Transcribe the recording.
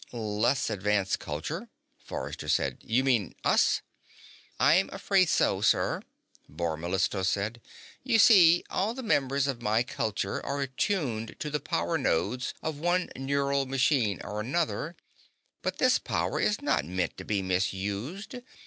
"Less advanced culture?" Forrester said. "You mean us?" "I'm afraid so, sir," Bor Mellistos said. "You see, all the members of my culture are attuned to the power nodes of one neural machine or another, but this power is not meant to be misused.